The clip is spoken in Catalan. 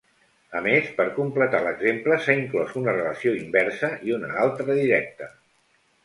A més, per completar l'exemple, s'ha inclòs una relació inversa i una altra directa.